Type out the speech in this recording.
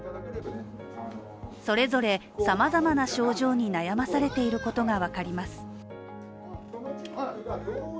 それぞれさまざまな症状に悩まされていることが分かります。